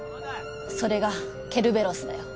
それがケルベロスだよ。